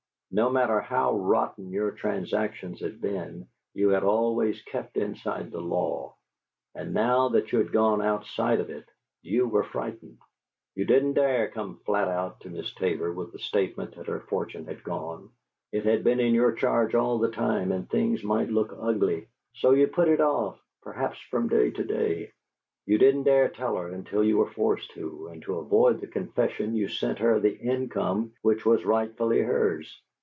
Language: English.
No matter how rotten your transactions had been, you had always kept inside the law; and now that you had gone outside of it, you were frightened. You didn't dare come flat out to Miss Tabor with the statement that her fortune had gone; it had been in your charge all the time and things might look ugly. So you put it off, perhaps from day to day. You didn't dare tell her until you were forced to, and to avoid the confession you sent her the income which was rightfully hers.